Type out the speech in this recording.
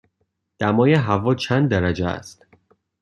دمای هوا چند درجه است؟